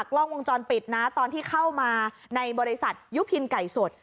กล้องวงจรปิดนะตอนที่เข้ามาในบริษัทยุพินไก่สด